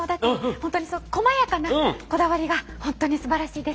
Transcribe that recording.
本当にこまやかなこだわりが本当にすばらしいです。